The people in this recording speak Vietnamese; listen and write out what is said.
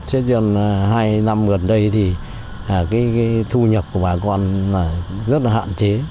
cho nên là hai năm gần đây thì cái thu nhập của bà con là rất là hạn chế